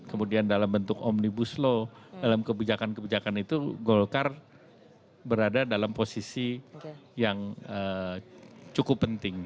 kemudian dalam bentuk omnibus law dalam kebijakan kebijakan itu golkar berada dalam posisi yang cukup penting